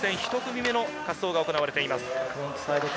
予選１組目の滑走が行われています。